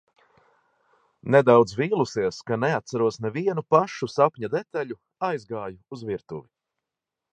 Nedaudz vīlusies, ka neatceros nevienu pašu sapņa detaļu, aizgāju uz virtuvi.